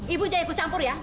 ibu jangan ikut campur ya